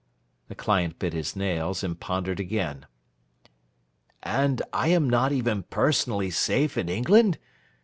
The client bit his nails, and pondered again. 'And I am not even personally safe in England?